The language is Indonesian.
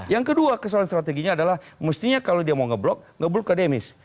yang kedua kesalahan strateginya adalah mestinya kalau dia mau ngeblok ngeblok akademis